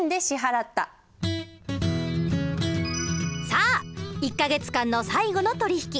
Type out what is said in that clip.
さあ１か月間の最後の取引。